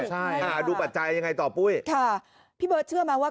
ใช่อ่าดูปัจจัยยังไงต่อปุ้ยค่ะพี่เบิร์ดเชื่อไหมว่า